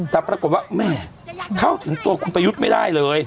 แต่ปรากฏว่าแม่เข้าถึงตัวคุณประยุทธ์ไม่ได้เลย